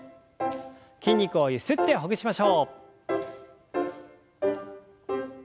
筋肉をゆすってほぐしましょう。